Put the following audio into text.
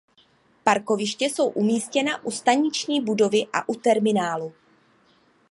Parkoviště jsou umístěna u staniční budovy a u terminálu.